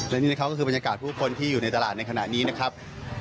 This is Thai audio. และนี่นะครับก็คือบรรยากาศผู้คนที่อยู่ในตลาดในขณะนี้นะครับ